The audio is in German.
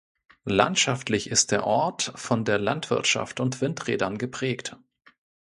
Landschaftlich ist der Ort von der Landwirtschaft und Windrädern geprägt.